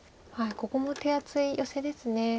ここも手厚いヨセです。